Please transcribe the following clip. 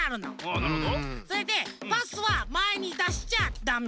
それでパスはまえにだしちゃダメ。